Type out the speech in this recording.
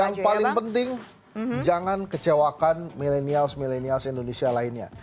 yang paling penting jangan kecewakan milenials milenials indonesia lainnya